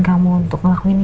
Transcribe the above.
klu l jagai